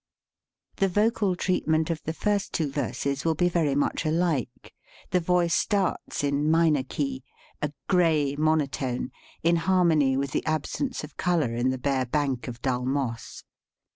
The vocal treatment of the first two verses will be very much alike. The voice starts in minor key, a gray monotone, in harmony with the absence of color in the bare bank of dull moss.